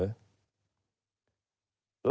ถือ